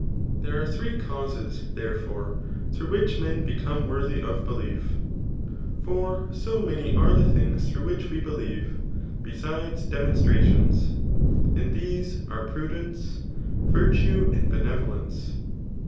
There are tiaee capses, therefore, dirongh which m^ become worthy of belief ; for so many are the things tiffOttgh which we believe, besides demonstrations. .^4 these are prudence, virtue and benevolence.